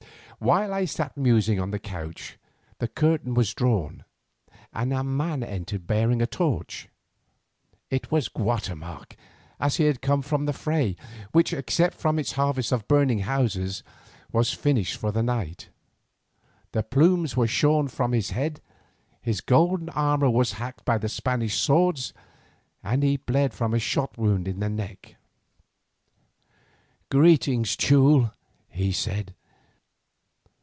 While I sat musing on the couch the curtain was drawn, and a man entered bearing a torch. It was Guatemoc as he had come from the fray, which, except for its harvest of burning houses, was finished for that night. The plumes were shorn from his head, his golden armour was hacked by the Spanish swords, and he bled from a shot wound in the neck. "Greeting, Teule," he said.